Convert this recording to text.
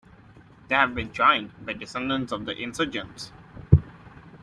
They have been joined by descendants of the insurgents.